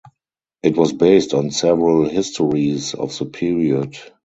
It was based on several histories of the period.